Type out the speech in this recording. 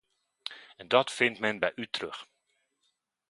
En dat vindt men bij u terug.